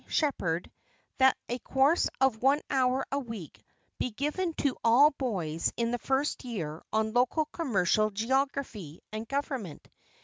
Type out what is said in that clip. Sheppard, that a course of one hour a week be given to all boys in the first year on local commercial geography and government.